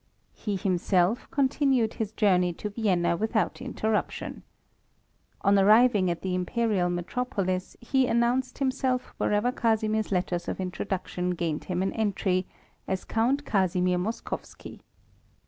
He himself continued his journey to Vienna without interruption. On arriving at the imperial metropolis he announced himself wherever Casimir's letters of introduction gained him an entry as Count Casimir Moskowski.